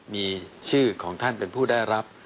มีชื่อของท่านเป็นผู้ได้รับ